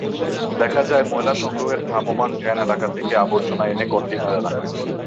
দেখা যায়, ময়লা সংগ্রহের ভ্রাম্যমাণ ভ্যান এলাকা থেকে আবর্জনা এনে কনটেইনারে রাখছে।